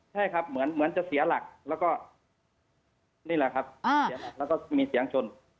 ใช่ครับเหมือนจะเสียหลักแล้วก็นี่แหละครับเสียหลักแล้วก็มีเสียงชน